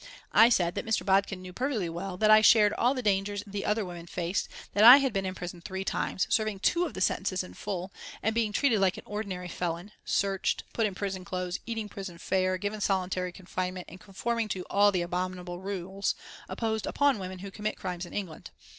I said that Mr. Bodkin knew perfectly well that I shared all the dangers the other women faced, that I had been in prison three times, serving two of the sentences in full, and being treated like an ordinary felon searched, put in prison clothes, eating prison fare, given solitary confinement and conforming to all the abominable rules imposed upon women who commit crimes in England.